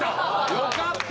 よかった！